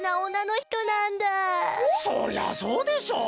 そりゃあそうでしょ。